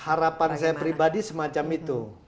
harapan saya pribadi semacam itu